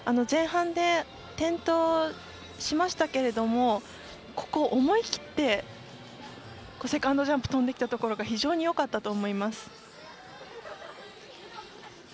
前半で転倒しましたけれども思い切って、セカンドジャンプを跳んできたところが非常によかったと思います。